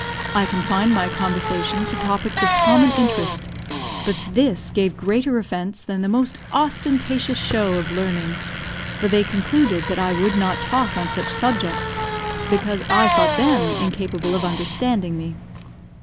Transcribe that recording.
I confined my conversation to topics of common interest; but this gave greater offence than the most ostentatious show of learning, for they concluded that I would not talk on such subjects, because I thought them incapable of understanding me.